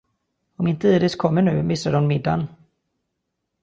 Om inte Iris kommer nu missar hon middagen.